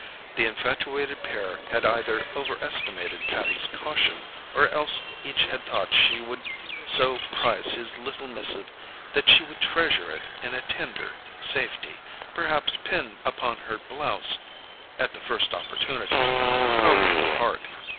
The infatuated pair had either overestimated Patty's caution, or else each had thought she would so prize his little missive that she would treasure it in a tender safety, perhaps pinned upon her blouse (at the first opportunity) over her heart.